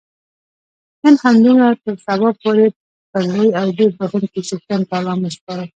نن همدومره تر سبا پورې پر لوی او ډېر بخښونکي څښتن تعالا مو سپارم.